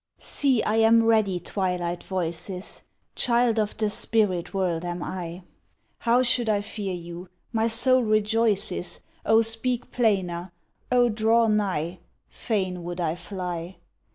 See, I am ready, Twilight voices! Child of the spirit world am I; How should I fear you? my soul rejoices, O speak plainer! O draw nigh! Fain would I fly!